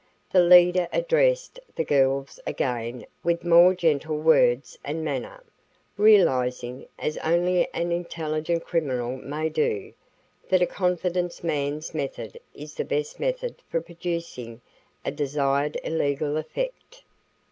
The leader addressed the girls again with more gentle words and manner, realizing, as only an intelligent criminal may do, that a confidence man's method is the best method for producing a desired illegal effect.